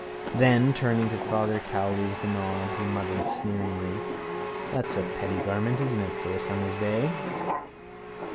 Then, turning to Father Cowley with a nod, he muttered sneeringly: —That's a pretty garment, isn't it, for a summer's day?